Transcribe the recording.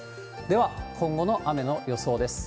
では、今後の雨の予想です。